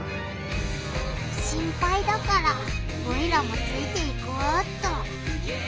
心ぱいだからオイラもついていこうっと。